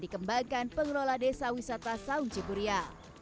di pulau ladesa wisata saunci burya